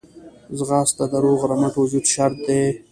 ځغاسته د روغ رمټ وجود شرط دی